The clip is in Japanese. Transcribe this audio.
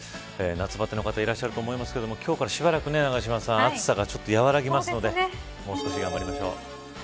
夏バテの方いらっしゃると思いますが、今日からしばらく暑さがちょっと和らぎますんでもう少し頑張りましょう。